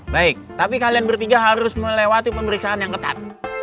baik tapi kalian bertiga harus melewati pemeriksaan yang ketat